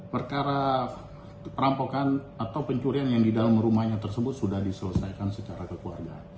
perkara perampokan atau pencurian yang di dalam rumahnya tersebut sudah diselesaikan secara kekeluargaan